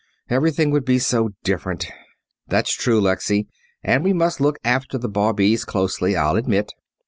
Everything would be so different." "That's true, Lexy. And we must look after the bawbees closely, I'll admit."